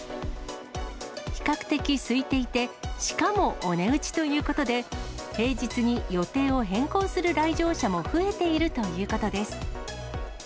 比較的すいていて、しかもお値打ちということで、平日に予定を変更する来場者も増えているということです。